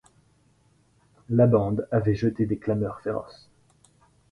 La bande avait jeté des clameurs féroces.